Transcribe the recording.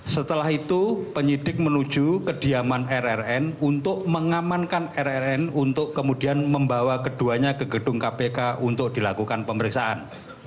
setelah itu penyidik menuju kediaman rrn untuk mengamankan rrn untuk kemudian membawa keduanya ke gedung kpk untuk dilakukan pemeriksaan